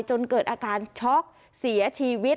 จนเกิดอาการช็อกเสียชีวิต